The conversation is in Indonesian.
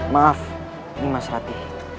maaf nima serati